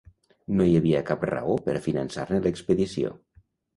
No hi havia cap raó per a finançar-ne l'expedició.